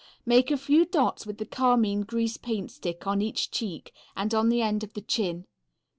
Make a few dots with the carmine grease paint stick on each cheek and on the end of the chin.